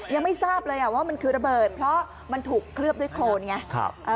ยังไม่ทราบเลยว่ามันคือระเบิดเพราะมันถูกเคลือบด้วยโครนไง